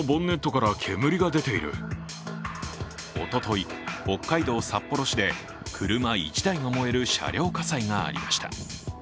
おととい、北海道札幌市で車１台が燃える車両火災がありました。